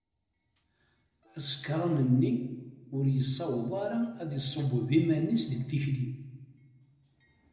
Asekṛan-nni ur yessaweḍ ara ad iṣewweb iman-is deg tikli.